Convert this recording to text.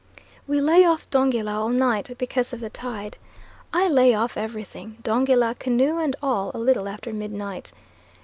We lay off Dongila all night, because of the tide. I lay off everything, Dongila, canoe and all, a little after midnight.